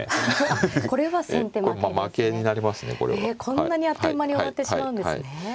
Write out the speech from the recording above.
こんなにあっという間に終わってしまうんですね。